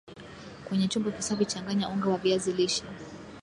kwenye chombo kisafi changanya unga wa viazi lishe